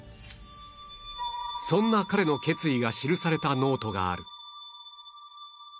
そんな彼の決意が記されたノートがある